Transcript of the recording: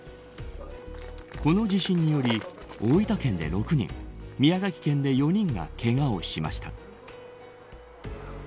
この地震により、大分県で６人宮崎県で４人がけがをしました。